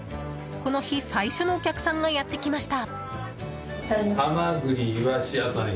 この日、最初のお客さんがやってきました。